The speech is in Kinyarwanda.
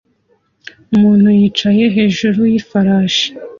Umuntu yicaye hejuru yifarasi